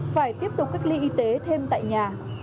phải tiếp tục cách ly y tế thêm tại nhà